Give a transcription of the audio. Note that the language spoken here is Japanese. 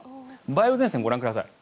梅雨前線ご覧ください。